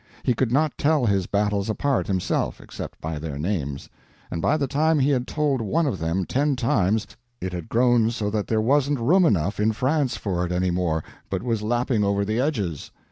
He could not tell his battles apart himself, except by their names; and by the time he had told one of then ten times it had grown so that there wasn't room enough in France for it any more, but was lapping over the edges.